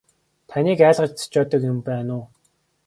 Таныг айлгаж цочоодог юм байна уу.